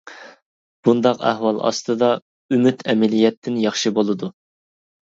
بۇنداق ئەھۋال ئاستىدا ئۈمىد ئەمەلىيەتتىن ياخشى بولىدۇ.